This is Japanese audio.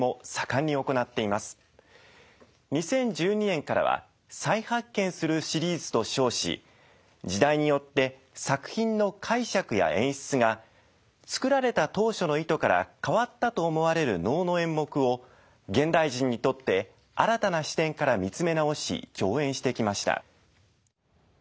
２０１２年からは再発見するシリーズと称し時代によって作品の解釈や演出が作られた当初の意図から変わったと思われる能の演目を現代人にとって新たな視点から見つめ直し上演してきました。